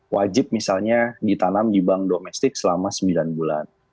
wajib misalnya ditanam di bank domestik selama sembilan bulan